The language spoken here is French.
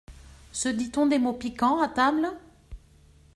Se dit-on des mots piquants à table ?